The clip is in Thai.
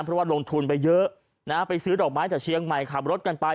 เพราะว่าลงทุนไปเยอะนะฮะไปซื้อดอกไม้จากเชียงใหม่ขับรถกันไป